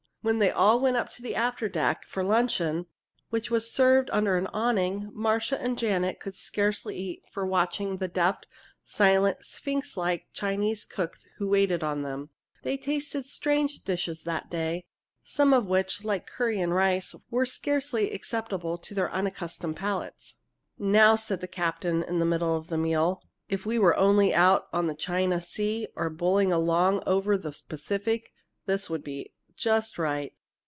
When they all went up to the after deck for luncheon, which was served under an awning, Marcia and Janet could scarcely eat for watching the deft, silent, sphinxlike Chinese cook who waited on them. They tasted strange dishes that day, some of which, like curry and rice, were scarcely acceptable to their unaccustomed palates. "Now," said the captain, in the middle of the meal, "if we were only out on the China Sea or bowling along over the Pacific, this would be just right.